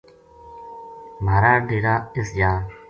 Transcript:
مھارا ڈیرا اس جا